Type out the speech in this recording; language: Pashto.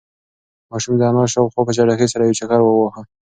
ماشوم د انا شاوخوا په چټکۍ سره یو چکر وواهه.